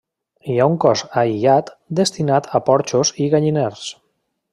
Hi ha un cos aïllat destinat a porxos i galliners.